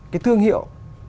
cái thương hiệu